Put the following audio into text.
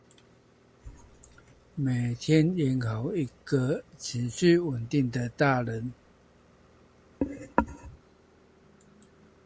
每天演好一個情緒穩定的大人